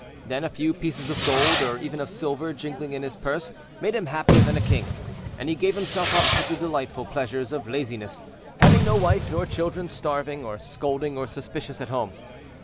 Then a few pieces of gold, or even of silver, jingling in his purse, made him happier than a king; and he gave himself up to the delightful pleasures of laziness, having no wife nor children starving, or scolding and suspicious, at home.